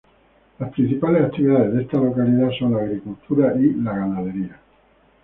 Las principales actividades de esta localidad son la agricultura y la ganadería.